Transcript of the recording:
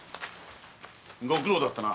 ご苦労だったな。